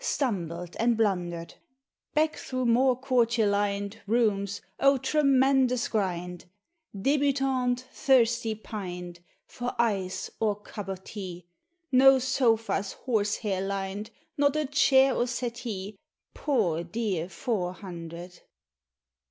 Stumbled and blundered — Rack through more courfier liiied Rooms — O, tremendous grind !— Debutantes thirsty pined For ice or cup o' tea: No sofas horse hair lined, Not a chair or settee, Poor dear Four Hundred